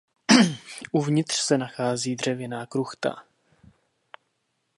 Uvnitř se nachází dřevěná kruchta.